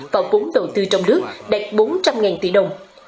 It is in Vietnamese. và vốn đầu tư trong nước đạt bốn trăm linh tỷ đồng